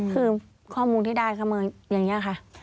คือข้อมูลที่ได้เข้ามาอย่างนี้ค่ะ